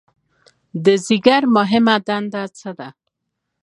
د ځیګر مهمه دنده څه ده؟